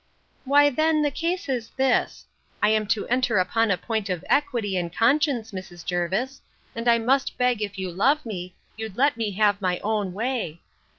Why then the case is this: I am to enter upon a point of equity and conscience, Mrs. Jervis; and I must beg, if you love me, you'd let me have my own way.